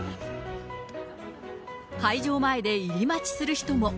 会場前で入り待ちする人も。